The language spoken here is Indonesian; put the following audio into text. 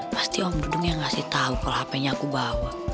pasti om budum yang ngasih tahu kalau hp nya aku bawa